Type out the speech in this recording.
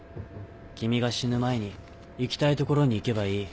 君が死ぬ前に行きたい所に行けばいい。